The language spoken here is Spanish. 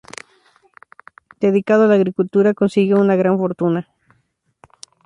Dedicado a la agricultura, consiguió una gran fortuna.